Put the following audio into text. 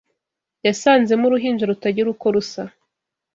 yasanzemo uruhinja rutagira uko rusa